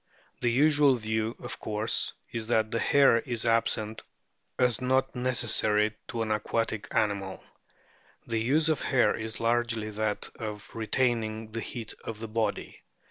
The usual view, of course, is that the hair is absent as not necessary to an aquatic animal ; the use of hair is largely that of retaining the heat of the body.